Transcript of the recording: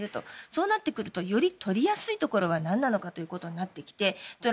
そうなってくるとより取りやすいところは何なのかとなってきて